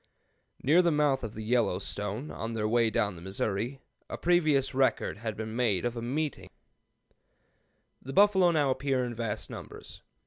When near the mouth of the Yellowstone, on their way down the Missouri, a previous record had been made of a meeting with other herds: "The buffalo now appear in vast numbers.